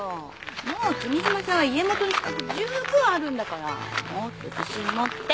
もう君島さんは家元の資格じゅうぶんあるんだからもっと自信持って。